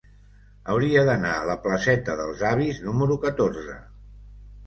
Hauria d'anar a la placeta dels Avis número catorze.